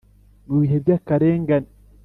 Mu bihe by’akarengane